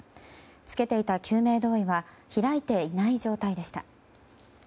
着けていた救命胴衣は開いていない状態でした。